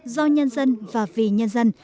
do nhân dân và vì nhân dân